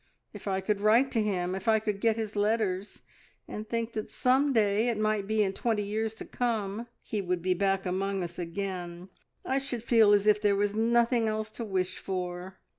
If I could write to him, if I could get his letters, and think that some day, it might be in twenty years to come, he would be back among us again, I should feel as if there was nothing else to wish for."